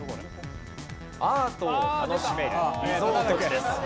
アートを楽しめるリゾート地です。